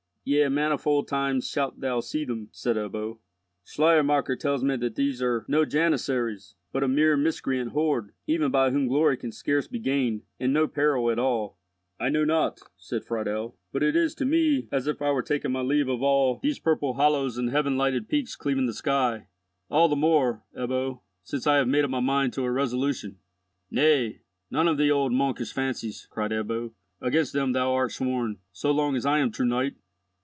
Yea manifold times shalt thou see them," said Ebbo. "Schleiermacher tells me that these are no Janissaries, but a mere miscreant horde, even by whom glory can scarce be gained, and no peril at all." "I know not," said Friedel, "but it is to me as if I were taking my leave of all these purple hollows and heaven lighted peaks cleaving the sky. All the more, Ebbo, since I have made up my mind to a resolution." "Nay, none of the old monkish fancies," cried Ebbo, "against them thou art sworn, so long as I am true knight."